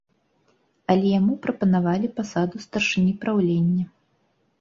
Але яму прапанавалі пасаду старшыні праўлення.